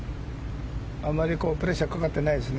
あまりプレッシャーがかかっていないですね。